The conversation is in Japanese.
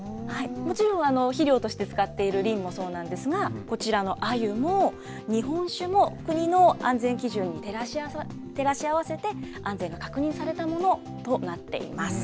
もちろん、肥料として使っているリンもそうなんですが、こちらのアユも、日本酒も国の安全基準に照らし合わせて、安全が確認されたものとなっています。